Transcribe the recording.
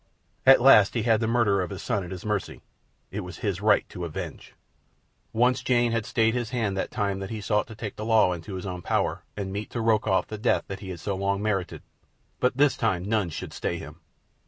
At last he had the murderer of his son at his mercy. His was the right to avenge. Once Jane had stayed his hand that time that he sought to take the law into his own power and mete to Rokoff the death that he had so long merited; but this time none should stay him.